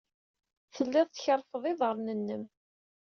Telliḍ tkerrfeḍ iḍarren-nnem.